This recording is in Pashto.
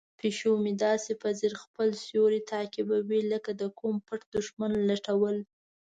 پیشو مې داسې په ځیر خپل سیوری تعقیبوي لکه د کوم پټ دښمن لټول.